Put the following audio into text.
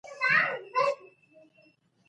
تجارتي قرارداونه لغو کړي.